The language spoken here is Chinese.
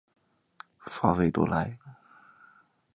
法韦罗莱。